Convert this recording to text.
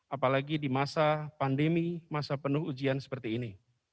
apalagi di masa pandemi masa penuh ujian seperti ini